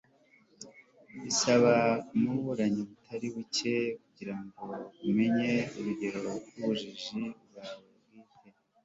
bisaba ubumenyi butari buke kugira ngo umenye urugero rw'ubujiji bwawe bwite